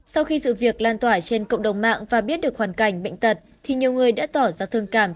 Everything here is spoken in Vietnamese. sau khi sự việc lan tỏa trên cộng đồng mạng và biết được hoàn cảnh bệnh tật thì nhiều người đã tỏ ra thương cảm cho gia đình của cô gái